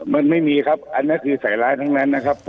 มันไม่มีครับอันนั้นคือใส่ร้ายทั้งนั้นนะครับ